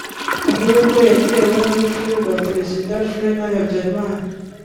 ahubwo yatewe n’urupfu rwa Perezida Juvenal Habyarimana